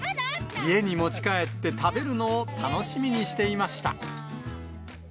家に持ち帰って食べるのを楽しみにしていました。